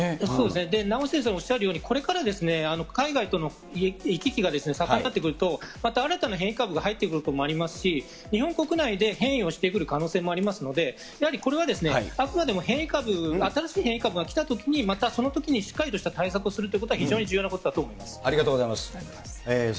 名越先生もおっしゃるように、これからですね、海外との行き来が盛んになってくると、また新たな変異株が入ってくるということもありますし、日本国内で変異をしてくる可能性もありますので、やはりこれは、あくまでも変異株、新しい変異株が来たときに、またそのときにしっかりとした対策をするということが非常に重要ありがとうございます。